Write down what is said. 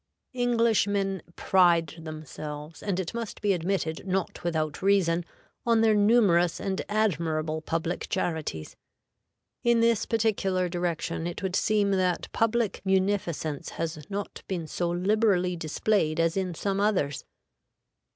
Englishmen pride themselves, and, it must be admitted, not without reason, on their numerous and admirable public charities. In this particular direction it would seem that public munificence has not been so liberally displayed as in some others.